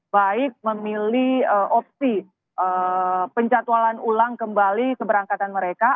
baik memilih opsi penjatualan ulang kembali keberangkatan mereka